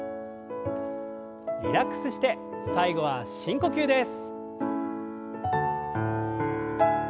リラックスして最後は深呼吸です。